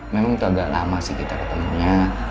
memang itu agak lama sih kita ketemunya